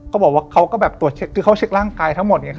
บอกว่าเขาก็แบบตรวจเช็คคือเขาเช็คร่างกายทั้งหมด